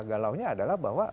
galaunya adalah bahwa